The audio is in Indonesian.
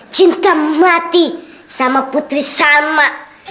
cinta mati sama putri sama